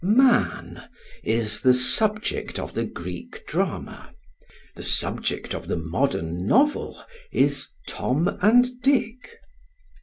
Man is the subject of the Greek drama; the subject of the modern novel is Tom and Dick.